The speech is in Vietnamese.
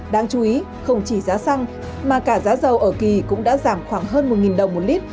đáng chú ý không chỉ giá xăng mà cả giá dầu ở kỳ cũng đã giảm khoảng hơn một đồng một lít